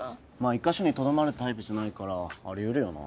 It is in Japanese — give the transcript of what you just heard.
一カ所にとどまるタイプじゃないからありうるよな